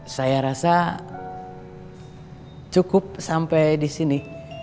saya rasa cukup sampai disini